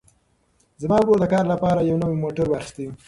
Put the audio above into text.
زما ورور د کار لپاره یو نوی موټر واخیست.